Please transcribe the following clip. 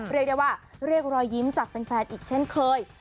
เรียกได้ว่าเรียกรอยยิ้มจากแฟนอีกเช่นเคย